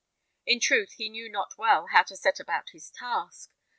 In truth, he knew not well how to set about his task.